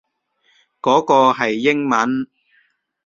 嗰個係英文